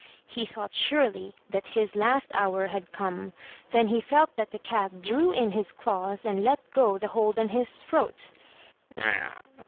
He thought surely that his last hour had come. Then he felt that the cat drew in his claws and let go the hold on his throat.